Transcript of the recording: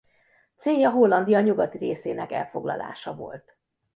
Célja Hollandia nyugati részének elfoglalása volt.